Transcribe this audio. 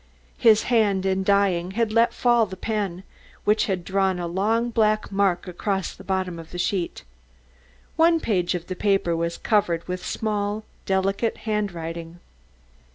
His hand in dying had let fall the pen, which had drawn a long black mark across the bottom of the sheet. One page of the paper was covered with a small, delicate handwriting.